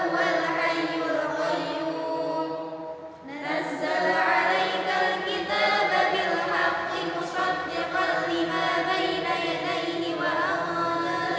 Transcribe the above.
maka mbah cungkrung masih kokoh berdiri di dukuh ini